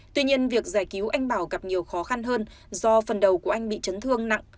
tuy nhiên việc giải cứu anh bảo gặp nhiều khó khăn hơn do phần đầu của anh bị chấn thương nặng